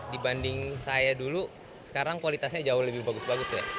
dibanding saya dulu sekarang kualitasnya jauh lebih bagus bagus ya